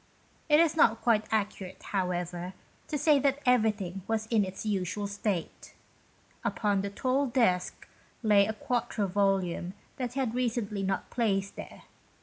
It is not quite accurate, however, to say that everything was in its usual state. Upon the tall desk lay a quarto volume that he had certainly not placed there.